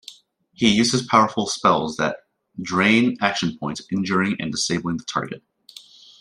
He uses powerful spells that drain Action Points, injuring and disabling the target.